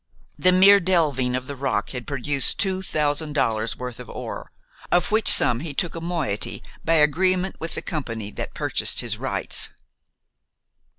The mere delving of the rock had produced two thousand dollars' worth of ore, of which sum he took a moiety by agreement with the company that purchased his rights.